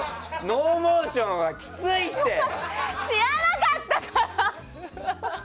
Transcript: ノーモーションはきついよ。